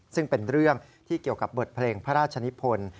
ซึ่งเป็นเรื่องที่เกี่ยวกับบทเพลงพระราชนิพล